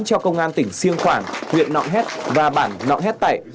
cho công an tỉnh siêng khoảng huyện nọng hét và bản nọng hết tẩy